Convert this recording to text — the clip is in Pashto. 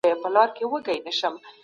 د ونو کينول يو دوامدار خير دی.